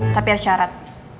tapi ada syarat